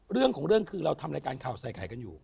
เรื่องของเรื่องคือเราทำรายการข่าวใส่ไข่กันอยู่